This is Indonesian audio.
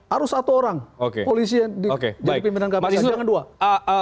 harus satu orang polisi yang jadi pimpinan kpk jangan dua